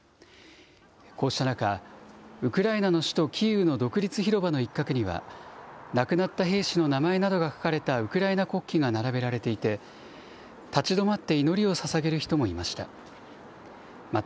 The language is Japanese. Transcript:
こうした中、ウクライナの首都キーウの独立広場の一角には、亡くなった兵士の名前などが書かれたウクライナ国旗が並べられていて、立ち止まって祈りをささげる人もいました。